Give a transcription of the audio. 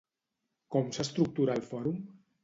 Com s'estructura el fòrum?